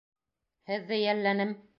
Һеҙҙе йәлләнем...